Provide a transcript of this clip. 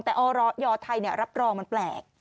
แต่อยอไทยเนี่ยรับรองมันแปลก